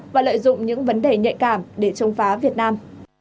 và lợi dụng những vấn đề nhạy cảm để chống phá việt nam